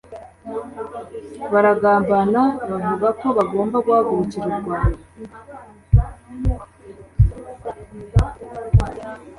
baragambana bavuga ko bagomba guhagurukira u Rwanda